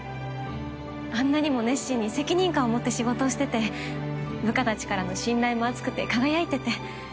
あんなにも熱心に責任感を持って仕事をしてて部下たちからの信頼も厚くて輝いてて。